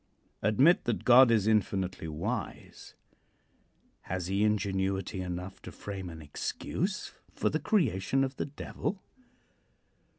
Admit that God is infinitely wise. Has he ingenuity enough to frame an excuse for the creation of the Devil?